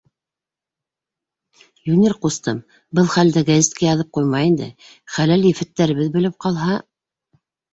— Юнир ҡустым, был хәлде гәзиткә яҙып ҡуйма инде, хәләл ефеттәребеҙ белеп ҡалһа...